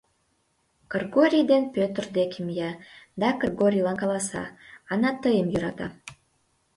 Кыргорий ден Пӧтыр деке мия да Кыргорийлан каласа: «Ана тыйым йӧрата...»